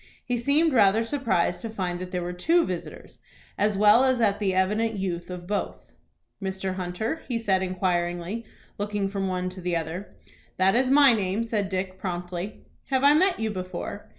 He seemed rather surprised to find that there were two visitors, as well as at the evident youth of both. "Mr. Hunter?" he said, inquiringly, looking from one to the other. "That is my name," said Dick, promptly. "Have I met you before?